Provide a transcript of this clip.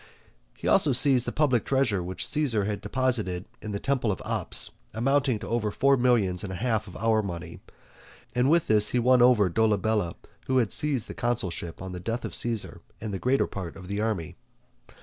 He also seized the public treasure which Caesar had deposited in the temple of Ops, amounting to above four millions and a half of our money, and with this he won over Dolabella, who had seized the consulship on the death of Caesar, and the greater part of the army.